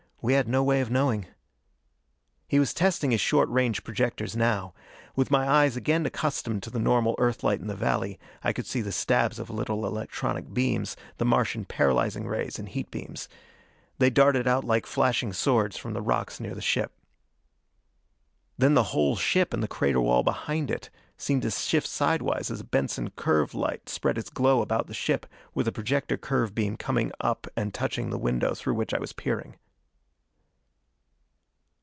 We had no way of knowing. He was testing his short range projectors now. With my eyes again accustomed to the normal Earthlight in the valley, I could see the stabs of little electronic beams, the Martian paralyzing rays and heat beams. They darted out like flashing swords from the rocks near the ship. Then the whole ship and the crater wall behind it seemed to shift sidewise as a Benson curve light spread its glow about the ship, with a projector curve beam coming up and touching the window through which I was peering.